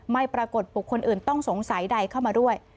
ไม่ปรากฏบุคคลอื่นต้องสงสัยใดเข้ามาด้วย